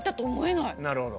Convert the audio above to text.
なるほど。